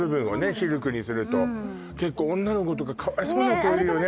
シルクにすると結構女の子とかかわいそうな子いるよね